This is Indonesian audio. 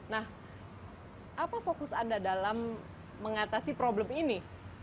nah apa fokus anda dalam mengatasi problem ini